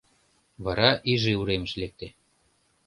Вара иже уремыш лекте.